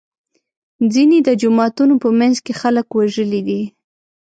ځینې د جوماتونو په منځ کې خلک وژلي دي.